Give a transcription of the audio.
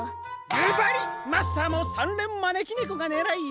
ずばりマスターもさんれんまねきねこがねらいやな？